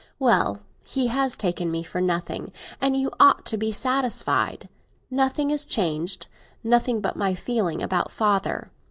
Well, he has taken me for nothing, and you ought to be satisfied. Nothing is changed—nothing but my feeling about father.